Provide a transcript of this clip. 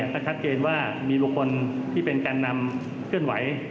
ก็ชัดเจนว่ามีบุคคลที่เป็นการนำเคลื่อนไหว